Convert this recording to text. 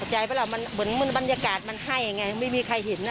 เหมือนบรรยากาศมันให้ไงไม่มีใครเห็นน่ะ